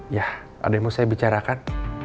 ya ada yang mau saya bicarakan